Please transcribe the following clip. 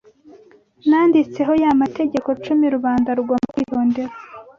nanditseho ya mategeko cumi rubanda rugomba kwitondera